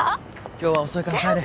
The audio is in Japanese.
今日は遅いから帰れ